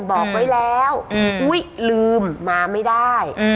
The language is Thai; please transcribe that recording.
บอกไว้แล้วอุ๊ยลืมมาไม่ได้